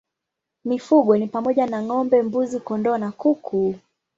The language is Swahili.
Mifugo ni pamoja na ng'ombe, mbuzi, kondoo na kuku.